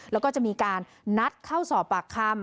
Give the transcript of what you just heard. แล้วก็จะมีการนัดเข้าสอบปากคำ